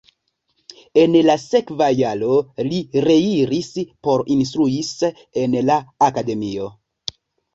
En la sekva jaro li reiris por instruis en la akademio.